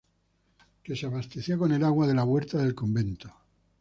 Que se abastecía con el agua de la huerta del convento.